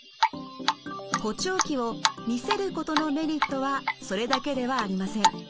補聴器を見せることのメリットはそれだけではありません。